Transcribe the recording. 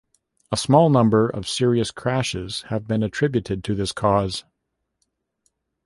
A small number of serious crashes have been attributed to this cause.